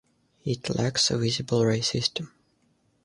It lacks a visible ray system.